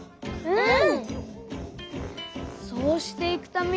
うん！